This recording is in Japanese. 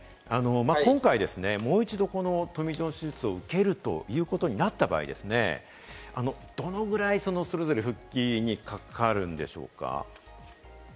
今回もう一度、トミー・ジョン手術を受けるということになった場合、どのぐらいそれぞれ復帰にかかるんでしょうか？